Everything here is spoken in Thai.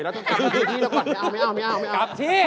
ไปที่นี่ก่อน